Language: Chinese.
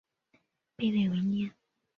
贝勒维涅。